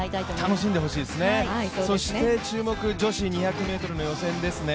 楽しんでほしいですね、そして注目、女子２００ｍの予選ですね。